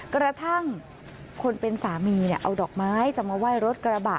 กระทั่งคนเป็นสามีเอาดอกไม้จะมาไหว้รถกระบะ